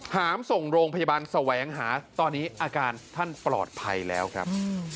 หามส่งโรงพยาบาลแสวงหาตอนนี้อาการท่านปลอดภัยแล้วครับ